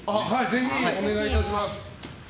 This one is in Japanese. ぜひ、お願いいたします。